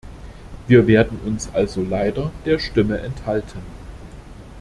Wir werden uns also leider der Stimme enthalten.